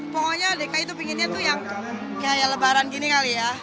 pokoknya dki itu pinggirnya kayak lebaran gini kali ya